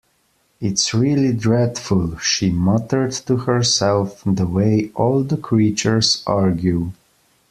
‘It’s really dreadful,’ she muttered to herself, ‘the way all the creatures argue’.